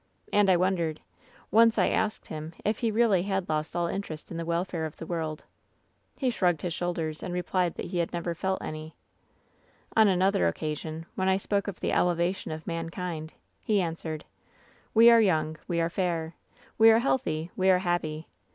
"And I wondered. Once I asked him if he really had lost all interest in the welfare of the world. "He shrugged his shoulders, and replied that he never had felt any. "On another occasion, when I spoke of the elevation of mankind, he answered :" ^We are yoimg. We are fair. We are healthy. We are happy.